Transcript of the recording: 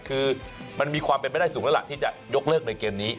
คือมันมีความเป็นไปได้สูงแล้วล่ะที่จะยกเลิกในเกมนี้